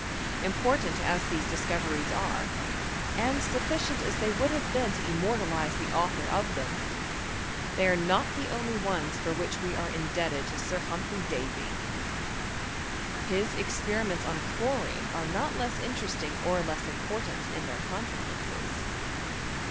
Important as these discoveries are, and sufficient as they would have been to immortalize the author of them, they are not the only ones for which we are indebted to Sir Humphry Davy. His experi ments on chlorine are not less interesting or less im portant in their consequences.